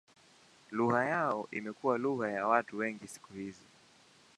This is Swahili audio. Lugha yao imekuwa lugha ya watu wengi siku hizi.